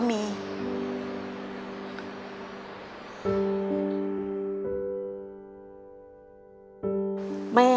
กำลังนั่วละ